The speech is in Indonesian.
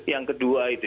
yang kedua itu